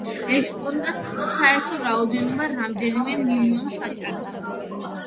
ექსპონატთა საერთო რაოდენობა რამდენიმე მილიონს აჭარბებს.